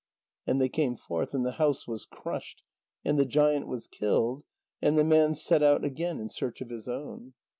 And they came forth, and the house was crushed and the giant was killed, and the man set out again in search of his own.